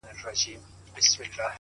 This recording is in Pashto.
عاجزي د درناوي لاره پرانیزي